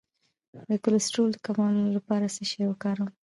د کولیسټرول د کمولو لپاره څه شی وکاروم؟